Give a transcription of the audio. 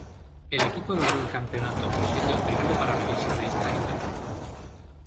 El equipo logró el campeonato, siendo el primero para Melisa de esta índole.